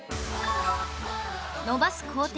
伸ばす工程